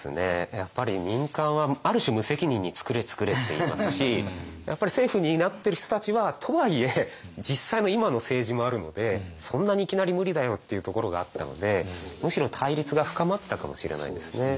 やっぱり民間はある種無責任に「つくれつくれ」って言いますし政府担ってる人たちはとはいえ実際の今の政治もあるのでそんなにいきなり無理だよっていうところがあったのでむしろ対立が深まってたかもしれないですね。